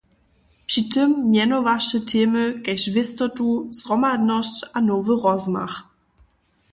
Při tym mjenowaše temy kaž wěstotu, zhromadnosć a nowy rozmach.